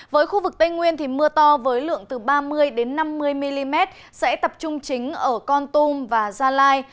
với khu vực tây nguyên mưa to với lượng từ ba mươi năm mươi mm sẽ tập trung chính ở con tum và gia lai